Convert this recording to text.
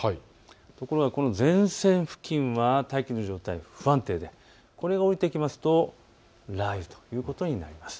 ところがこの前線付近は大気の状態、不安定でこれがおりてきますと雷雨ということになります。